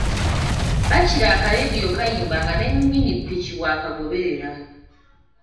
Bakira akaleediyo kayimba nga ne nnyini ppiki bw’akagoberera.